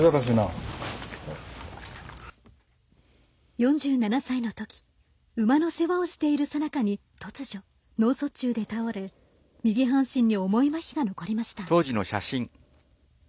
４７歳のとき馬の世話をしているさなかに突如脳卒中で倒れ右半身に重いまひが残りました。